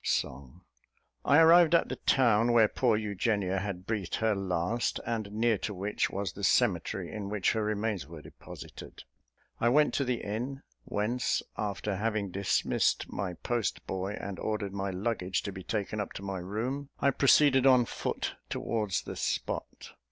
Song. I arrived at the town where poor Eugenia had breathed her last, and near to which was the cemetery in which her remains were deposited. I went to the inn, whence, after having dismissed my post boy and ordered my luggage to be taken up to my room, I proceeded on foot towards the spot.